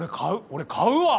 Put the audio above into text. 俺買うわ。